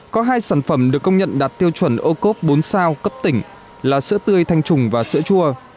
có hai sản phẩm được công nhận đạt tiêu chuẩn ô cốp bốn sao cấp tỉnh là sữa tươi thanh trùng và sữa chua